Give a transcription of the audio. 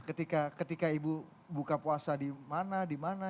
ketika ibu buka puasa di mana di mana